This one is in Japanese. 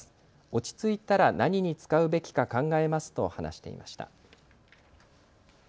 落ち着いたら何に使うべきか考えますと話していました。